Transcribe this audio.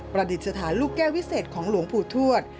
ประดิษฐานลูกแก้ววิเศษของหลวงปู่ทวด